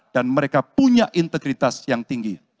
dan mereka punya integritas yang tinggi